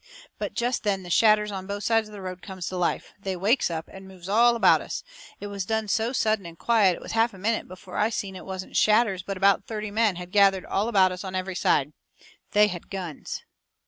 But jest then the shadders on both sides of the road comes to life. They wakes up, and moves all about us. It was done so sudden and quiet it was half a minute before I seen it wasn't shadders but about thirty men had gathered all about us on every side. They had guns.